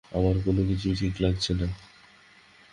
আমার কোন কিছুই ঠিক লাগছে না।